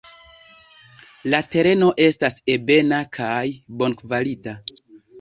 La tereno estas ebena kaj bonkvalita.